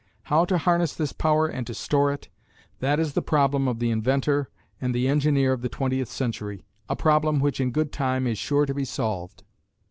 How to harness this power and to store it that is the problem of the inventor and the engineer of the twentieth century, a problem which in good time is sure to be solved.